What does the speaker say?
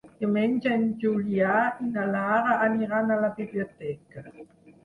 Diumenge en Julià i na Lara aniran a la biblioteca.